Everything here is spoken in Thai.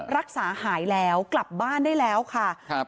รักษาหายแล้วกลับบ้านได้แล้วค่ะครับ